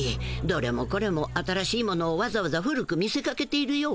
どれもこれも新しいものをわざわざ古く見せかけているよ。